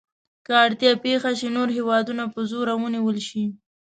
که اړتیا پېښه شي نور هېوادونه په زوره ونیول شي.